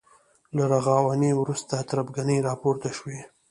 له رغاونې وروسته تربګنۍ راپورته شوې.